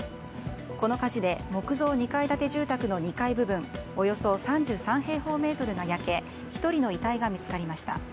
この火事で、木造２階建て住宅の２階部分およそ３３平方メートルが焼け１人の遺体が見つかりました。